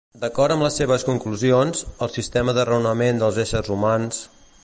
D'acord amb les seues conclusions, el sistema de raonament dels éssers humans...